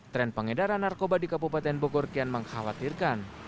tren pengedaran narkoba di kabupaten bogor kian mengkhawatirkan